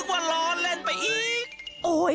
โอ้ยโอ้ยโอ้ยโอ้ย